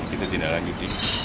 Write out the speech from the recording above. kita tidak lagi tinggal